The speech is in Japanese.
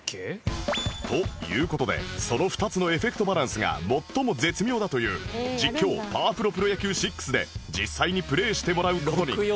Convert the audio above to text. という事でその２つのエフェクトバランスが最も絶妙だという『実況パワフルプロ野球６』で実際にプレイしてもらう事に